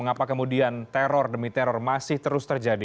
mengapa kemudian teror demi teror masih terus terjadi